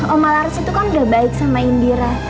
omah laras itu kan udah baik sama indira